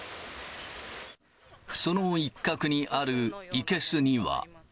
その一角にある生けすには。